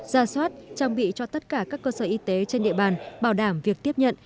ra soát trang bị cho tất cả các cơ sở y tế trên địa bàn bảo đảm việc tiếp nhận